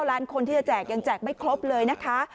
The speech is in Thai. ล้านคนที่จะแจกยังแจกไม่ครบเลยนะคะ